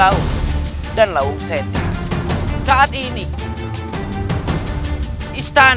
apakah ilmuleben suhaimi sudah tentu